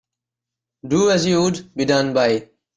Do as you would be done by.